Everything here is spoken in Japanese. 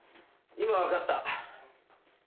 今分かった。